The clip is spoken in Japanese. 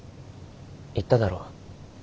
言っただろ。